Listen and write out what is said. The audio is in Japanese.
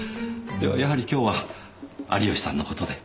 ではやはり今日は有吉さんのことで？